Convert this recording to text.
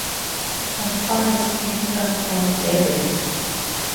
How far is Agra from Delhi?